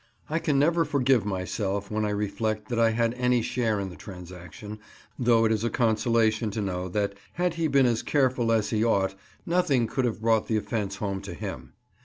I can never forgive myself when I reflect that I had any share in the transaction, though it is a consolation to know that, had he been as careful as he ought, nothing could have brought the offence home to him.